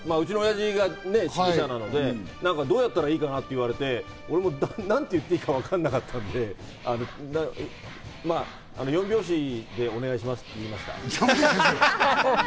うちの親父がね、指揮者なので、どうやったらいいかなって言われて、俺は何て言っていいかわかんなかったんで、まぁ、四拍子って言いました。